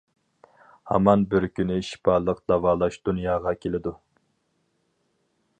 ھامان بىر كۈنى شىپالىق داۋالاش دۇنياغا كېلىدۇ.